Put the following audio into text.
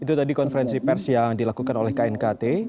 itu tadi konferensi pers yang dilakukan oleh knkt